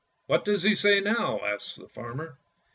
" What does he say now? " asked the farmer.